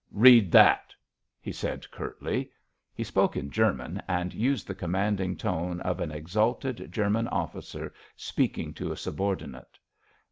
"Read that!" he said curtly. He spoke in German, and used the commanding tone of an exalted German officer speaking to a subordinate.